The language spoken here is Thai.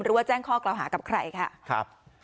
หรือว่าแจ้งข้อกล่าวหากับใครค่ะ